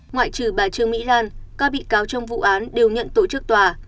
ngoại trừ bà trương mỹ lan các bị cáo trong vụ án đều nhận tổ chức tòa